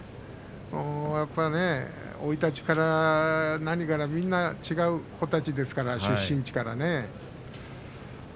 やっぱりね、生い立ちから何からみんな違う子たちですからね出身地から。